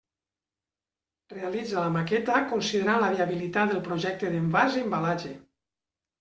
Realitza la maqueta considerant la viabilitat del projecte d'envàs i embalatge.